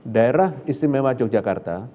daerah istimewa yogyakarta